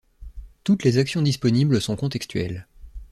Toutes les actions disponibles sont contextuelles.